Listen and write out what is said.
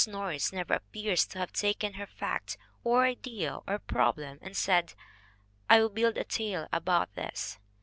Norris never appears to have taken her fact or idea or problem and said, "I will build a tale about this."